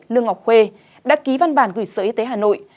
lương ngọc khuê đã ký văn bản gửi sở y tế hà nội